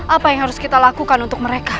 apa yang harus kita lakukan untuk mereka